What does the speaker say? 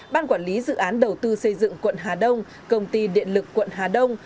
ban quản lý dự án đầu tư xây dựng quận hà đông công ty điện lực quận hà đông